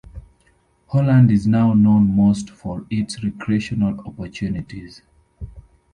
Holland is now known most for its recreational opportunities.